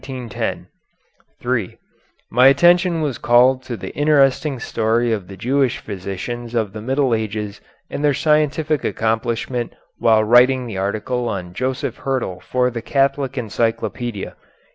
] [Footnote 3: My attention was called to the interesting story of the Jewish physicians of the Middle Ages and their scientific accomplishment while writing the article on Joseph Hyrtl for the Catholic Encyclopedia.